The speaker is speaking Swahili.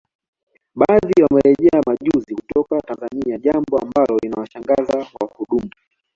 Baadhi wamerejea majuzi kutoka Tanzania jambo ambalo linawashangaza wahudumu